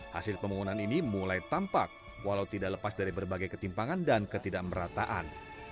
hasil pembangunan ini mulai tampak walau tidak lepas dari berbagai ketimpangan dan ketidakmerataan